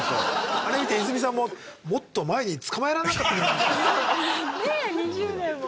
あれ見て泉さんも「もっと前に捕まえられなかったのか」ねっ２０年もね。